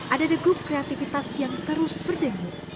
ada degup kreativitas yang terus berdenyi